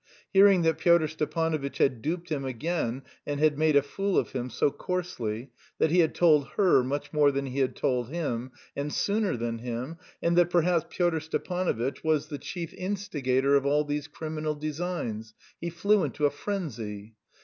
Hearing that Pyotr Stepanovitch had duped him again and had made a fool of him so coarsely, that he had told her much more than he had told him, and sooner than him, and that perhaps Pyotr Stepanovitch was the chief instigator of all these criminal designs he flew into a frenzy.